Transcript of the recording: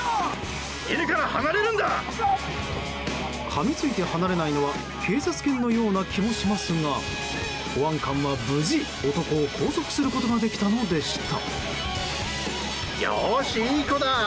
かみついて離れないのは警察犬のような気もしますが保安官は無事、男を拘束することができたのでした。